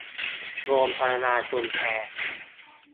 โรงพยาบาลชุมแพ